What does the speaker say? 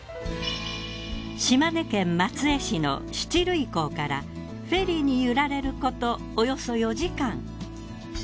島根県松江市の七類港からフェリーに揺られることおよそ４時間。